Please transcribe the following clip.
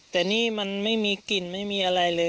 แต่นี่มันไม่มีกลิ่นไม่มีอะไรเลย